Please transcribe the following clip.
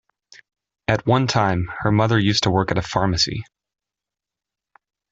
At one time, her mother used to work at a pharmacy.